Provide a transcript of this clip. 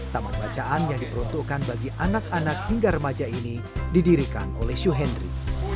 taman bacaan yang diperuntukkan bagi anak anak hingga remaja ini didirikan oleh syuhendri